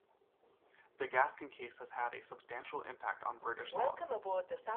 The Gaskin case has had a substantial impact on British law.